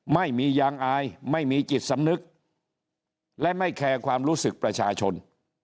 ไม่มียางอายไม่มีจิตสำนึกและไม่แคร์ความรู้สึกประชาชน